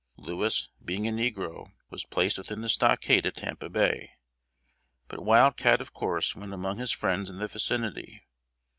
Lewis, being a negro, was placed within the stockade at Tampa Bay, but Wild Cat of course went among his friends in the vicinity.